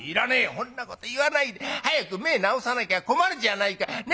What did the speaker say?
「そんなこと言わないで早く目ぇ治さなきゃ困るじゃないか。ね。